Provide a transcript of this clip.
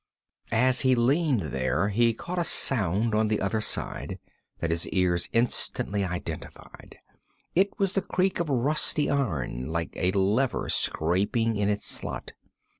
As he leaned there he caught a sound on the other side that his ears instantly identified it was the creak of rusty iron, like a lever scraping in its slot.